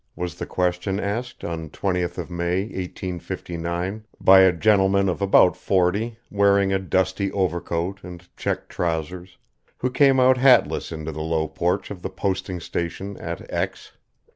WAS THE QUESTION ASKED ON 20th May, 1859, by a gentleman of about forty, wearing a dusty overcoat and checked trousers, who came out hatless into the low porch of the posting station at X.